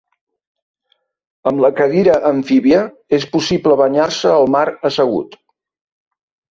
Amb la cadira amfíbia és possible banyar-se al mar assegut.